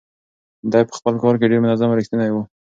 دی په خپل کار کې ډېر منظم او ریښتونی و.